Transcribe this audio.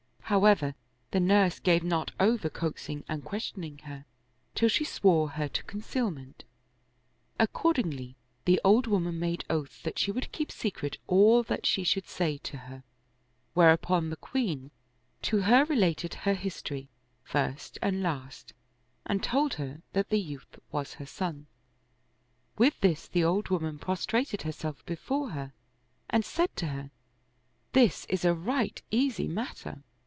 However, the nurse gave not over coaxing and questioning her, till she swore her to concealment. Accordingly, the old woman made oath that she would keep secret all that she should say to her, whereupon the queen to her related her history, first and last, and told her that the youth was her son. With this the old woman prostrated herself before her and said to her, *' This is a right easy matter."